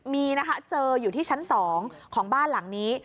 มีนะคะเจออยู่ที่ชั้น๒ของบ้านหลังนี้